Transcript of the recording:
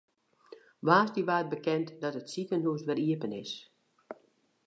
Woansdei waard bekend dat it sikehûs wer iepen is.